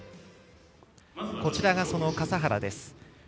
こちらが笠原です。